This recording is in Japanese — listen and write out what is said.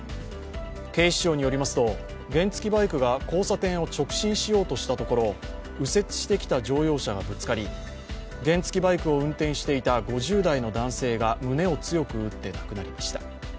警視庁によりますと、原付バイクが交差点を直進しようとしたところ、右折してきた乗用車がぶつかり原付バイクを運転していた５０代の男性が胸を強く打って亡くなりました。